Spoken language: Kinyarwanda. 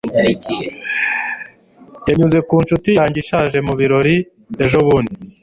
Nanyuze ku nshuti yanjye ishaje mu birori ejobundi.